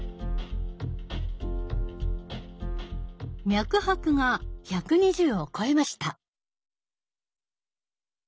脈拍が１２０を超えました。